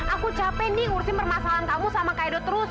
aku capek nih ngurusin permasalahan kamu sama kaido terus